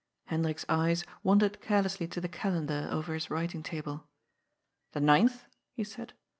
Hendrik's eyes wandered carelessly to the calendar over his writing table. "The ninth?" he said.